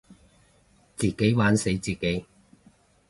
自己玩死自己